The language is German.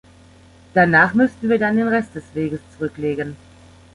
Danach müssten wir dann den Rest des Weges zurücklegen.